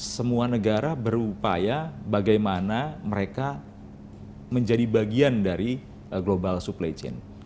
semua negara berupaya bagaimana mereka menjadi bagian dari global supply chain